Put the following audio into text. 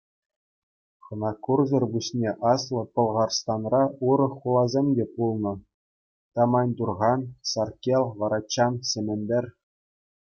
Хӑнакурсӑр пуҫне Аслӑ Пӑлхарстанра урӑх хуласем те пулнӑ: Таманьтурхан, Саркел, Варачан, Сементер.